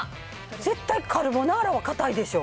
絶対カルボナーラはかたいでしょう。